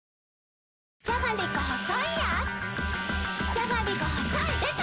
じゃがりこ細いでた‼